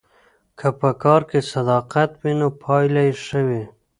که په کار کې صداقت وي نو پایله یې ښه وي.